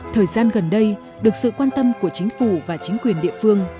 thời gian gần đây được sự quan tâm của chính phủ và chính quyền địa phương